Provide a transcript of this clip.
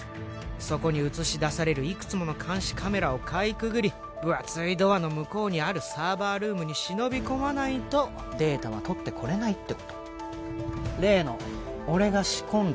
そこにうつし出されるいくつもの監視カメラをかいくぐりぶ厚いドアの向こうにあるサーバールームに忍び込まないとデータは取ってこれないってこと例の俺が仕込んだ